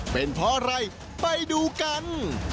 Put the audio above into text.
เป็นเพราะอะไรไปดูกัน